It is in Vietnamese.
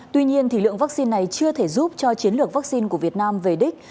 tuy nhiên lượng vaccine này chưa thể giúp cho chiến lược vaccine của việt nam về đích